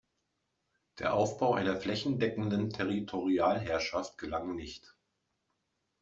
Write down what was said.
Der Aufbau einer flächendeckenden Territorialherrschaft gelang nicht.